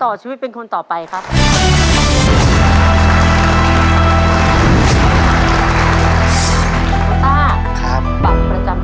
ตัวเลือดที่๓ม้าลายกับนกแก้วมาคอ